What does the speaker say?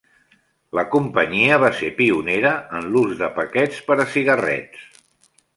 La companyia va ser pionera en l'ús de paquets per a cigarrets.